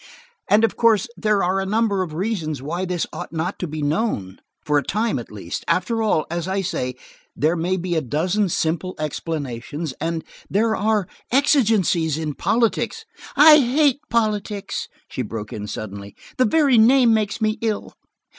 "And of course there are a number of reasons why this ought not to be known, for a time at least. After all, as I say, there may be a dozen simple explanations, and–there are exigencies in politics–" "I hate politics!" she broke in suddenly. "The very name makes me ill.